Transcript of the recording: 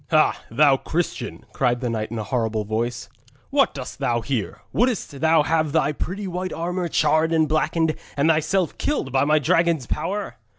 'Ha! thou Christian!' cried the knight in a horrible voice, 'what dost thou here? Wouldst thou have thy pretty white armour charred and blackened and thyself killed by my dragon's power?'